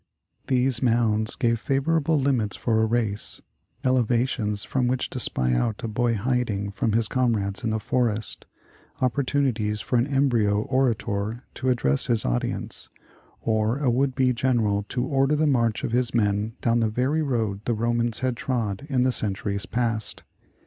These mounds gave favorable limits for a race, ele vations from which to spy out a boy hiding from his comrades in the forest, opportunities for an embryo orator to address his audience, or a would be general to order the march of liis men down the very road the Romans had trod in the centuries past.